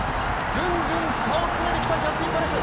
ぐんぐん、差を詰めてきたジャスティンパレス。